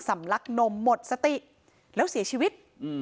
ลักนมหมดสติแล้วเสียชีวิต